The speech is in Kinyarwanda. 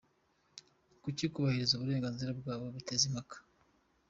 Kuki kubahiriza uburenganzira bwabo biteza impaka?".